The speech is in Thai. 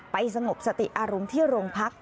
สงบสติอารมณ์ที่โรงพัก